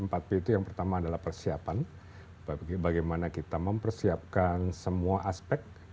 empat b itu yang pertama adalah persiapan bagaimana kita mempersiapkan semua aspek